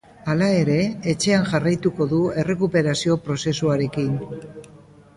Hala ere, etxean jarraituko du errekuperazio prozesuarekin.